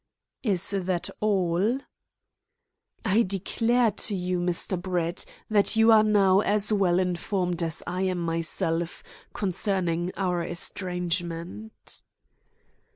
"Is that all?" "I declare to you, Mr. Brett, that you are now as well informed as I am myself concerning our estrangement."